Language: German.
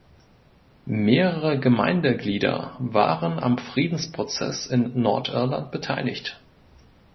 Mehrere Gemeindeglieder waren am Friedensprozess in Nordirland beteiligt.